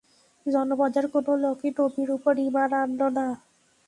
জনপদের কোন লোকই নবীর উপর ঈমান আনল না।